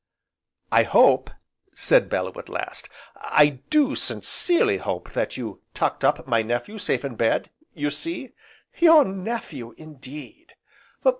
"I hope," said Bellew at last, "I do sincerely hope that you 'tucked up' my nephew safe in bed, you see " "Your nephew, indeed!"